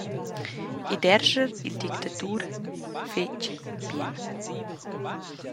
E derscher il dictatur, fetg bien!